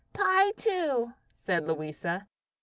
"Pie, too," said Louisa.